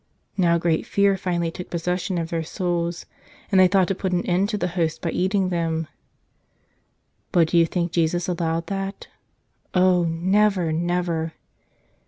Now great fear finally took possession of their souls, and they thought to put an end to the Hosts by eating them. But do you think Jesus allowed that? Oh, never, never!